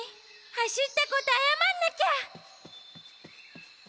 はしったことあやまんなきゃ！